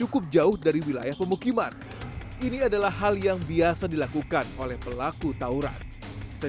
kita melalui grup bang